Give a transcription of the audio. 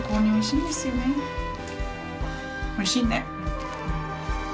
おいしいね。